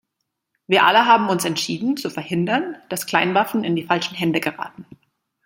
Wir alle haben uns entschieden, zu verhindern, dass Kleinwaffen in die falschen Hände geraten.